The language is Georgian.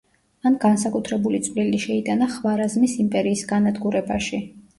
მან განსაკუთრებული წვლილი შეიტანა ხვარაზმის იმპერიის განადგურებაში.